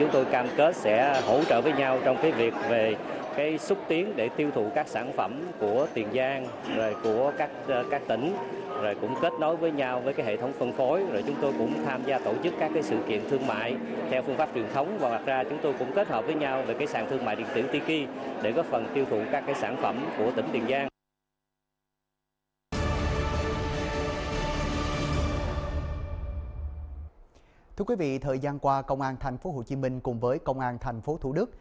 thưa quý vị thời gian qua công an tp hcm cùng với công an tp thủ đức